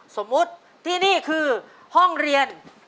สมมุติที่นี่คือห้องเรียน